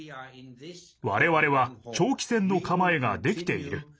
我々は長期戦の構えができている。